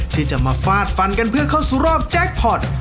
ที่จะมาฟาดฟันกันเพื่อเข้าสู่รอบแจ็คพอร์ต